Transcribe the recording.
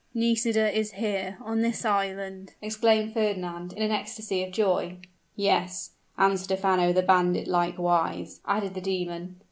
"Nisida is here on this island," exclaimed Fernand in an ecstasy of joy. "Yes and Stephano, the bandit, likewise," added the demon.